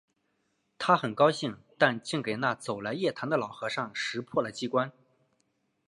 他很高兴；但竟给那走来夜谈的老和尚识破了机关